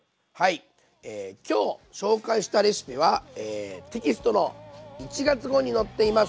今日紹介したレシピはテキストの１月号に載っています。